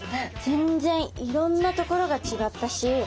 全然いろんなところが違ったし。